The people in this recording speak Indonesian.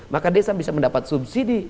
maka desa bisa mendapat subsidi